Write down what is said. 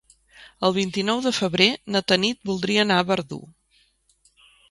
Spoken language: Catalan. El vint-i-nou de febrer na Tanit voldria anar a Verdú.